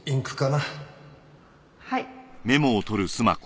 はい。